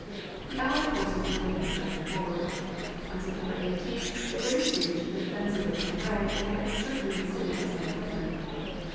The Allied forces were moving steadily forward. On September 18th the British reached the defenses of Cambrai and were encircling the city of St. Quentin.